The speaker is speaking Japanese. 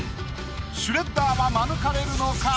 シュレッダーは免れるのか？